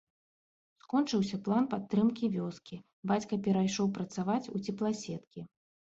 Скончыўся план падтрымкі вёскі, бацька перайшоў працаваць у цепласеткі.